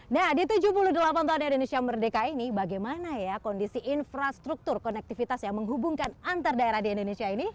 nah di tujuh puluh delapan tahun indonesia merdeka ini bagaimana ya kondisi infrastruktur konektivitas yang menghubungkan antar daerah di indonesia ini